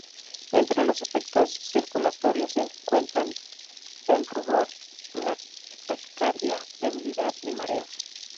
Entre los efectos circulatorios se cuentan el rubor, la taquicardia, debilidad y mareos.